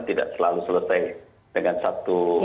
tidak selalu selesai dengan satu